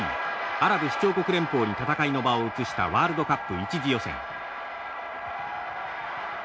アラブ首長国連邦に戦いの場を移したワールドカップ１次予選。